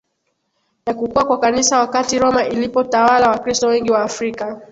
ya kukua kwa Kanisa Wakati Roma ilipotawala Wakristo wengi Waafrika